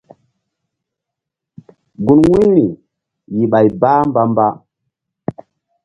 Gun wu̧yri yih bay bah mba mba.